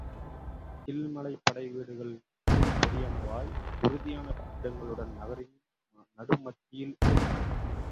கில்மலைக் படை வீடுகள் மிகப்பெரியனவாய், உறுதியான கட்டிடங்களுடன் நகரின் நடுமத்தியில் இருந்தன.